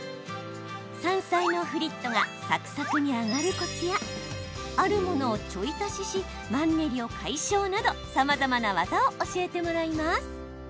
山菜のフリットがサクサクに揚がるコツやあるものをちょい足ししマンネリを解消などさまざまな技を教えてもらいます。